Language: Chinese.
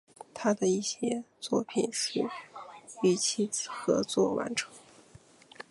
他的一些作品是与其子合作完成。